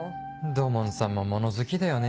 土門さんも物好きだよね。